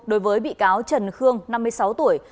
đối với bị cáo trần khương năm mươi sáu tuổi